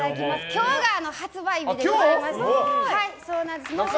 今日が発売日でございまして。